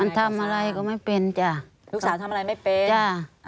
ลูกสาวทำอะไรไม่เป็นจ้ะขึ้นไปทำอะไรกับสาวลูกสาวทำอะไรไม่เป็นจ้ะ